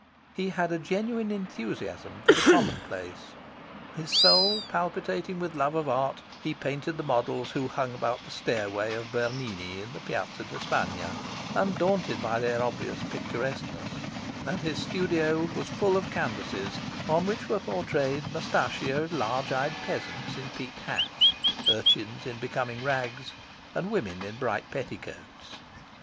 He had a genuine enthusiasm for the commonplace. His soul palpitating with love of art, he painted the models who hung about the stairway of Bernini in the Piazza de Spagna, undaunted by their obvious picturesqueness; and his studio was full of canvases on which were portrayed moustachioed, large eyed peasants in peaked hats, urchins in becoming rags, and women in bright petticoats.